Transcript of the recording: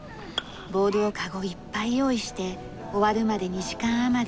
ボールを籠いっぱい用意して終わるまで２時間余り。